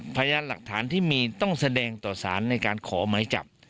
พยานหลักฐานที่มีต้องแสดงต่อสารในการขอหมายจับ